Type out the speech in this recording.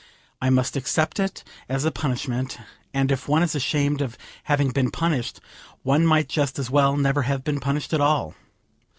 I must accept it as a punishment, and if one is ashamed of having been punished, one might just as well never have been punished at all.